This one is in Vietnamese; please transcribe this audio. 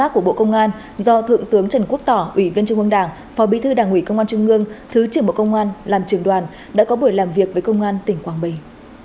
công an do thượng tướng trần quốc tỏ ủy viên trung ương đảng phó bí thư đảng ủy công an trung ương thứ trưởng bộ công an làm trưởng đoàn đã có buổi làm việc với công an tỉnh quảng bình